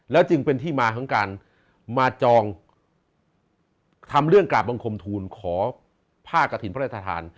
แล้วจึงเป็นที่มาของการมาจองทำเรื่องกร่าบมงคมทูลขอภาคกฐิรภัทธาธาร